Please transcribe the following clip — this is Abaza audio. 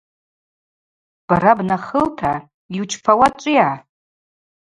Бара бнаххылта – “Йучпауа ачӏвыйа?